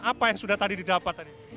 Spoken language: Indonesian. apa yang sudah tadi didapat tadi